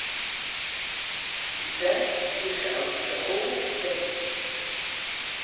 Бзэр гущыӏэ гущыӏэу зэхэт.